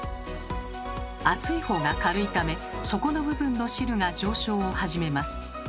熱い方が軽いため底の部分の汁が上昇を始めます。